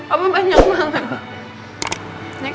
apa banyak banget